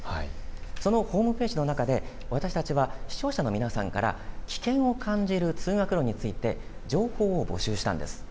そのホームページの中で私たちは視聴者の皆さんから危険を感じる通学路について情報を募集したんです。